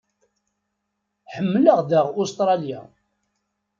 Ḥemmleɣ daɣ Ustṛalya.